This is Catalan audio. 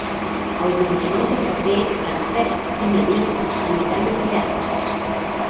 El vint-i-nou de febrer en Pep i na Nit aniran a Millars.